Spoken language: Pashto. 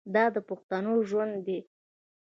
دا د پښتنو ژوند دی.